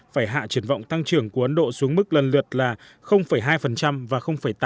phải hạ triển vọng tăng trưởng của ấn độ xuống mức lần lượt là hai và tám